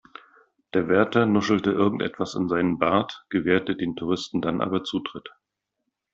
Der Wärter nuschelte irgendwas in seinen Bart, gewährte den Touristen dann aber Zutritt.